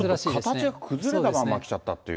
形が崩れたまんま来ちゃったという。